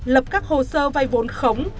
lập các hồ sơ vay vốn khống